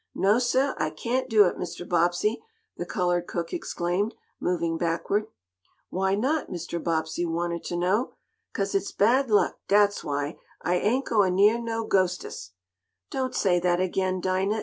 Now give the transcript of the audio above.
"No, sah, I cain't do it, Mr. Bobbsey," the colored cook exclaimed, moving backward. "Why not?" Mr. Bobbsey wanted to know. "'Cause it's bad luck, dat's why. I ain't goin' neah no ghostest " "Don't say that again, Dinah!"